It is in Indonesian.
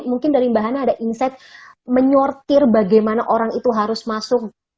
mungkin dari mbak hana ada insight menyortir bagaimana orang itu harus masuk